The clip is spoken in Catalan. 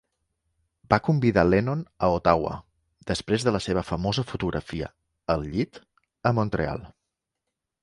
Va convidar Lennon a Ottawa després de la seva famosa fotografia "al llit" a Montreal.